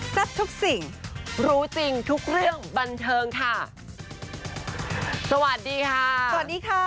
ทุกสิ่งรู้จริงทุกเรื่องบันเทิงค่ะสวัสดีค่ะสวัสดีค่ะ